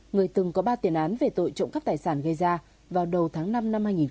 người từng có ba tiền án về tội trộm các tài sản gây ra vào đầu tháng năm năm hai nghìn một mươi chín